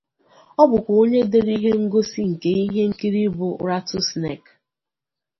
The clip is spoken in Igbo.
Ọ bụkwa onye dere ihe ngosi nke ihe nkiri bụ 'Rattlesnake'.